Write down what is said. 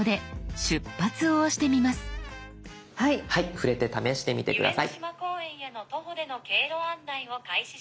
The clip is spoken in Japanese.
触れて試してみて下さい。